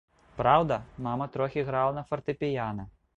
Праўда, мама трохі грала на фартэпіяна.